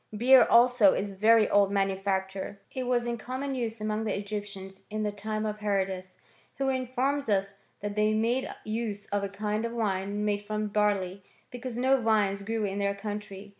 * Beer also is a very old manufacture. It was in common use among the Egyptians in the time of Herodus, who informs us that they made use of a kind of wine made from barley, because no vines grew in their country.